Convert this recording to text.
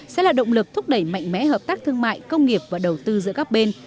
sẽ là động lực thúc đẩy mạnh mẽ hợp tác thương mại công nghiệp và đầu tư giữa các bên